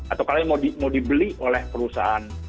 atau kalau mau dibeli oleh perusahaan